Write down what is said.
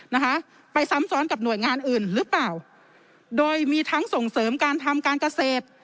นะคะไปซ้ำซ้อนกับหน่วยงานอื่นหรือเปล่าโดยมีทั้งส่งเสริมการทำการเกษตร